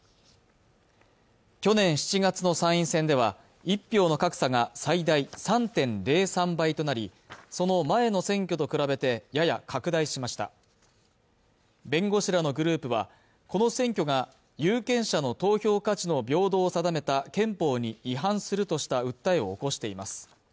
去年７月の参院選では一票の格差が最大３．０３倍となりその前の選挙と比べてやや拡大しました弁護士らのグループはこの選挙が有権者の投票価値の平等を定めた憲法に違反するとした訴えを起こしています